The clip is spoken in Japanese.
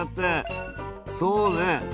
そうね。